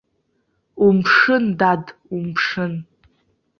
Умԥшын, дад, умԥшын.